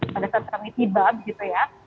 pada saat kami tiba begitu ya